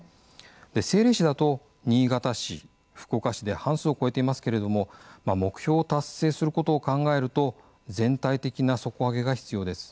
政令市だと新潟市福岡市で半数を超えていますけれども目標達成することを考えると全体的な底上げが必要です。